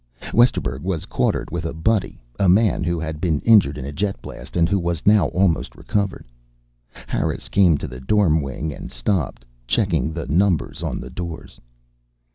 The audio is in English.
Westerburg was quartered with a buddy, a man who had been injured in a jet blast and who was now almost recovered. Harris came to the dorm wing and stopped, checking the numbers on the doors.